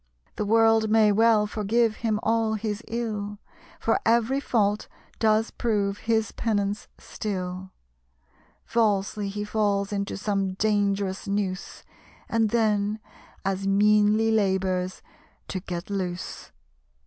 The world may well forgive him all his ill, For every fault does prove his penance still; Falsely he falls into some dangerous noose, And then as meanly labours to get loose."